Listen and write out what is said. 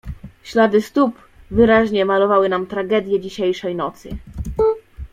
"Ślady stóp wyraźnie malowały nam tragedię dzisiejszej nocy."